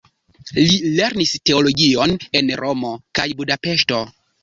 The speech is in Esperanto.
Li lernis teologion en Romo kaj Budapeŝto.